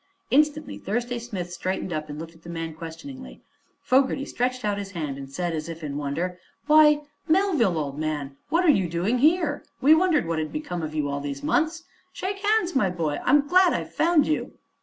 Instantly Thursday Smith straightened up and looked at the man questioningly. Fogerty stretched out his hand and said, as if in wonder: "Why, Melville, old man, what are you doing here? We wondered what had become of you, all these months. Shake hands, my boy! I'm glad I've found you."